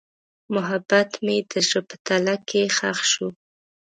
محبت مې د زړه په تله کې ښخ شو.